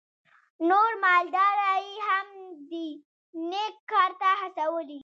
نور مالداره یې هم دې نېک کار ته هڅولي.